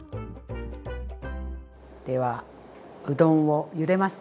ではうどんをゆでます。